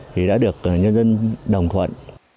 thì đã được nhân dân đồng thuận